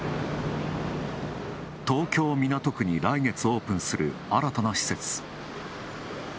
東京・港区に来月オープンする新たな施設。